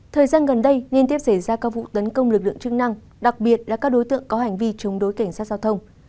thời gian gần đây liên tiếp xảy ra các vụ tấn công lực lượng chức năng đặc biệt là các đối tượng có hành vi chống đối cảnh sát giao thông